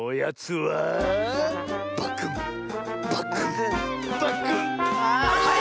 はい！